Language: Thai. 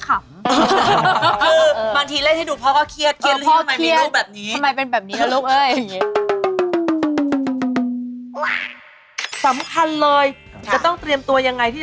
การสูบบุหรี่